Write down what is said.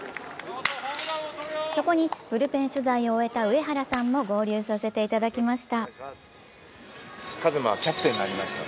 そこにブルペン取材を追えた上原さんも合流させていただきました。